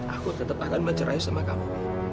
aku tetap akan bercerai sama kamu